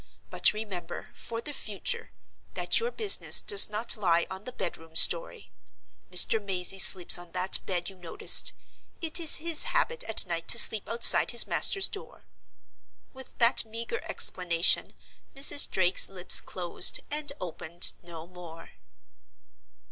But remember, for the future, that your business does not lie on the bedroom story. Mr. Mazey sleeps on that bed you noticed. It is his habit at night to sleep outside his master's door." With that meager explanation Mrs. Drake's lips closed, and opened no more.